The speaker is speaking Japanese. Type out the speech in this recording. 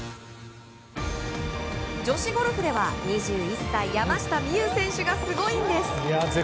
女子ゴルフでは、２１歳山下美夢有選手がすごいんです。